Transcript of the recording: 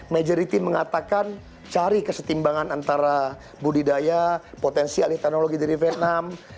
majority mengatakan cari kesetimbangan antara budidaya potensi alih teknologi dari vietnam